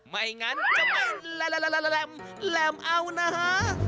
ไม่งั้นจะไม่แหลมเอานะฮะ